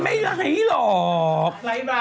ไม่ได้หรอก